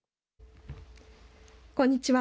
こんにちは。